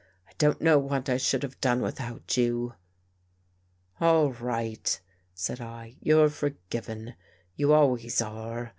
I don't know what I should have done without you." " All right," said I, " you're forgiven. You always are.